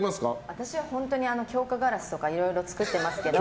私は本当に強化ガラスとかいろいろ作ってますけど。